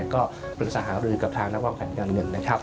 ก็ปรึกษาหารือกับทางนักวางแผนการเงินนะครับ